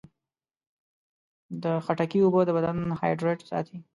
د خټکي اوبه د بدن هایډریټ ساتي.